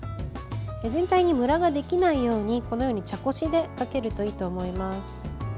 全体にムラができないように茶こしでかけるといいと思います。